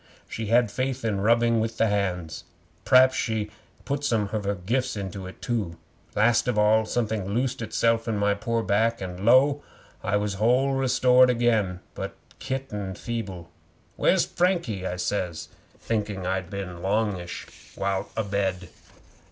She had faith in rubbing with the hands. P'raps she put some of her gifts into it, too. Last of all, something loosed itself in my pore back, and lo! I was whole restored again, but kitten feeble. '"Where's Frankie?" I says, thinking I'd been a longish while abed.